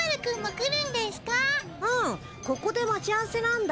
うんここで待ち合わせなんだ。